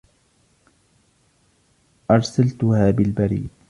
أرسلتها بالبريد.